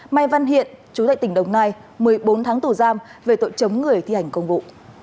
mai văn hiện chú tại tỉnh đồng nai một mươi bốn tháng tù giam về tội chống người thi hành công vụ